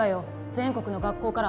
全国の学校から